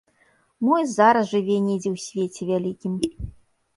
Мо і зараз жыве недзе ў свеце вялікім.